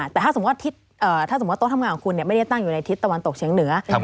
แต่ถ้าสมมุติโต๊ะทำงานของคุณไม่ได้ตั้งอยู่ในทิศตะวันตกเฉียงเหนือ